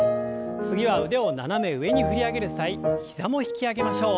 次は腕を斜め上に振り上げる際膝も引き上げましょう。